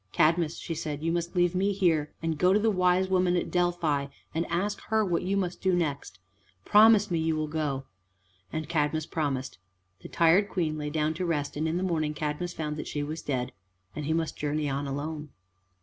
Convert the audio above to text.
"Cadmus," she said, "you must leave me here, and, go to the wise woman at Delphi and ask her what you must do next. Promise me you will go!" And Cadmus promised. The tired Queen lay down to rest, and in the morning Cadmus found that she was dead, and he must journey on alone.